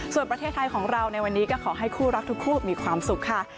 ส่วนประเทศไทยของเราในวันนี้ก็ขอให้คู่รักทุกคู่มีความสุขค่ะ